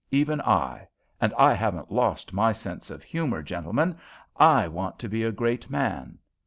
Even I, and I haven't lost my sense of humour, gentlemen, I meant to be a great man.